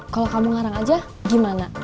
kalau kamu ngarang aja gimana